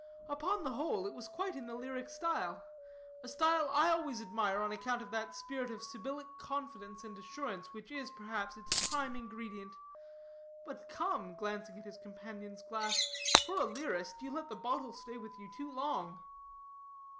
Upon the whole, it was quite in the lyric style a style I always admire on account of that spirit of Sibyllic confidence and assurance which is, perhaps, its prime ingredient. But come," glancing at his companion's glass, "for a lyrist, you let the bottle stay with you too long."